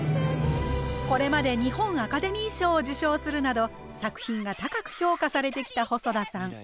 これまで日本アカデミー賞を受賞するなど作品が高く評価されてきた細田さん。